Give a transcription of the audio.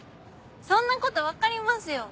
そんなこと分かりますよ